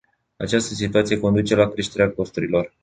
Această situație conduce la creșterea costurilor.